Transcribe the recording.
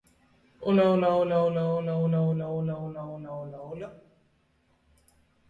A laser might then be used to deflect dangerous particles.